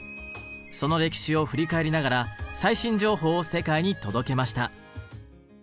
その歴史を振り返りながら最新情報を世界に届けました。